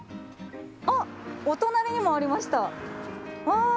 お隣にもありました。